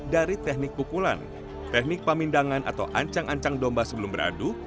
dari teknik pukulan teknik pamindangan atau ancang ancang domba sebelum beradu